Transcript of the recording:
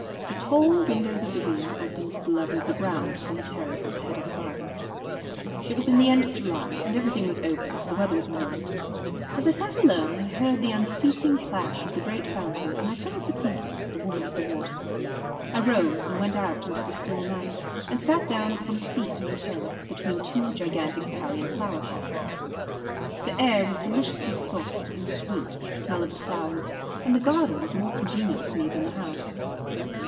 The tall windows of the room opened to the level of the ground upon the terrace at the head of the garden. It was in the end of July, and everything was open, for the weather was warm. As I sat alone I heard the unceasing plash of the great fountains, and I fell to thinking of the Woman of the Water. I rose, and went out into the still night, and sat down upon a seat on the terrace, between two gigantic Italian flower pots. The air was deliciously soft and sweet with the smell of the flowers, and the garden was more congenial to me than the house.